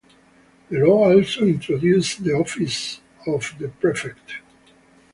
The law also introduced the office of the prefect.